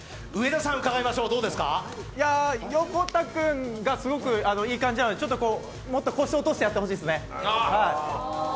横田君がすごくいい感じなのでもっと腰を落としてやってほしいですね。